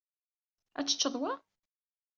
Ad teččeḍ wa?